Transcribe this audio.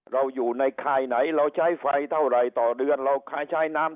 เราอยู่ในค่ายไหนเราใช้ไฟเท่าไหร่ต่อเดือนเราใช้น้ำ